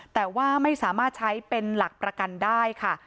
แต่ว่าไม่สามารถใช้เป็นหลักประกันได้ค่ะ